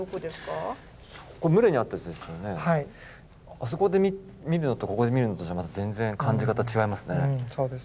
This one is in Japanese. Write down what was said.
あそこで見るのとここで見るのとじゃまた全然感じ方違いますね。